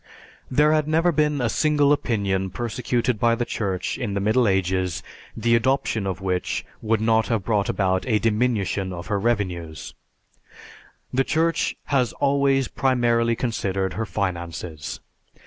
There had never been a single opinion persecuted by the Church in the Middle Ages the adoption of which would not have brought about a diminution of her revenues; the Church has always primarily considered her finances.